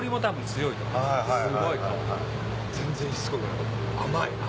全然しつこくない。